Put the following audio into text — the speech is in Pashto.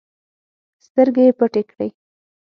سترګې يې پټې کړې.